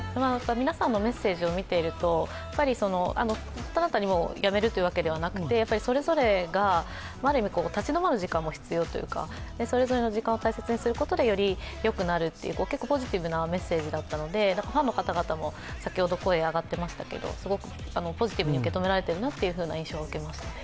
皆さんのメッセージを見ていると、どなたも、やめるというわけじゃなくてそれぞれがある意味、立ち止まる時間も必要というかそれぞれの時間を大切にすることで、よりよくなるという結構ポジティブなメッセージだったのでファンの方々も、先ほど声が上がっていましたけれどもすごくポジティブに受け止められているなという印象ですね。